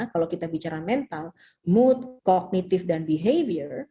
kalau kita bicara mental mood cognitif dan behavior